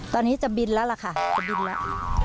ตอนนี้จะบินแล้วล่ะค่ะจะบินแล้ว